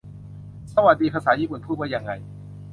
สวัสดี ภาษาญี่ปุ่นพูดว่ายังไง